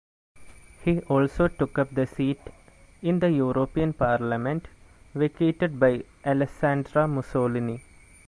He also took up the seat in the European Parliament vacated by Alessandra Mussolini.